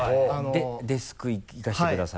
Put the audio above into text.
「デスク行かせてください」って。